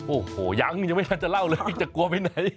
โอ้โหยังยังไม่ทันจะเล่าเลยจะกลัวไปไหน